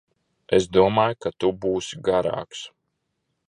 Es domāju, ka tu būsi garāks.